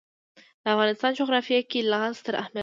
د افغانستان جغرافیه کې لعل ستر اهمیت لري.